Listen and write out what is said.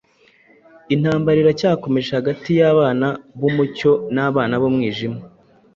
Intambara iracyakomeje hagati y’abana b’umucyo n’abana b’umwijima.